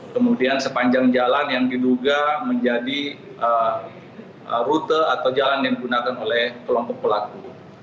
kemudian sepanjang jalan yang diduga menjadi rute atau jalan yang digunakan oleh kelompok pelaku